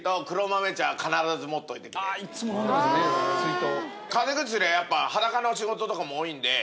いっつも飲んでますね水筒。